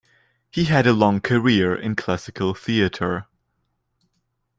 He had a long career in classical theatre.